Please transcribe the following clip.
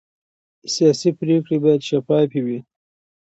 سیاسي پرېکړې باید شفافې وي